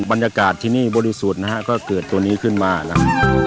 บรรยากาศที่นี่บริสุทธิ์นะฮะก็เกิดตัวนี้ขึ้นมานะครับ